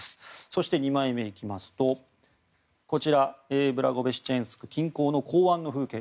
そして、２枚目にいきますとブラゴベシチェンスク近郊の港湾の風景。